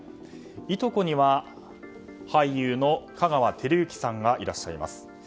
いとこには俳優の香川照之さんがいらっしゃいます。